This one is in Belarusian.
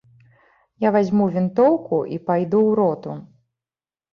Я вазьму вінтоўку і пайду ў роту.